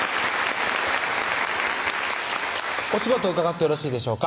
お仕事伺ってよろしいでしょうか